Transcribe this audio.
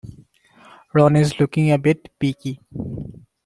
Ron's looking a bit peaky.